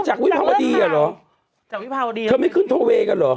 วิภาวดีอ่ะเหรอจากวิภาวดีเธอไม่ขึ้นโทเวย์กันเหรอ